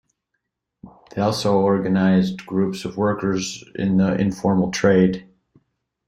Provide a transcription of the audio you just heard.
They also organized groups of workers in the informal trade.